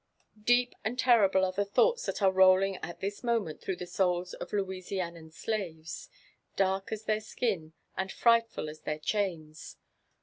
Deep and terrible are the thoughts that are rolling at this moment through the souls of Louisianiau slaves, — dark as their skin, and frightful as their chains.